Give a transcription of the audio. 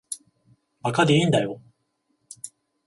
馬鹿でいいんだよ。